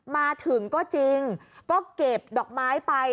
มาถึงก็จริงก็เก็บดอกไม้ไป